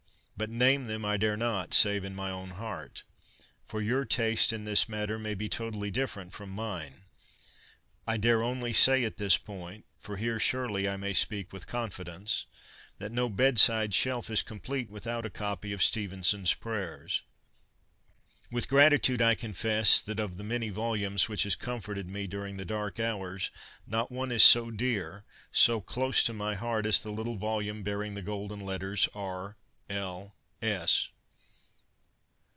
But name them I dare not, save in my own heart. For your taste in this matter may be totally different from mine. I dare only say at this point — for here surely I may speak with confidence — that no bedside shelf is complete without a copy of Stevenson's prayers. With gratitude I confess that of the many volumes which have comforted me during dark hours not one 92 CONFESSIONS OF A BOOK LOVER is so dear, so close to my heart, as the little volume bearing the golden letters R. L.